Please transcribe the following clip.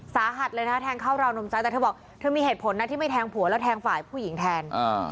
สาหัสเลยนะแทงเข้าราวนมซ้ายแต่เธอบอกเธอมีเหตุผลนะที่ไม่แทงผัวแล้วแทงฝ่ายผู้หญิงแทน